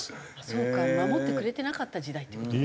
そうか守ってくれてなかった時代っていう事ですね。